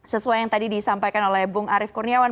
sesuai yang tadi disampaikan oleh bung arief kurniawan